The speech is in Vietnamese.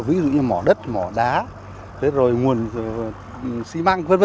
ví dụ như mỏ đất mỏ đá nguồn xi măng v v